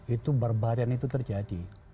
itu barbarian itu terjadi